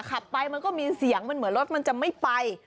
ขับไปมันก็มีเสียงมันเหมือนรถมันจะไม่ไป